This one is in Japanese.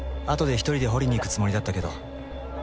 あとで１人で掘りに行くつもりだったけど。